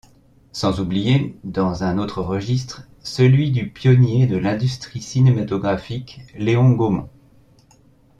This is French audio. Sans oublier, dans un autre registre, celui du pionnier de l'industrie cinématographique Léon Gaumont.